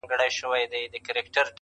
چي د مجنون په تلاښ ووزمه لیلا ووینم!